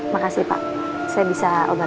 makasih pak saya bisa obatin luka saya sendiri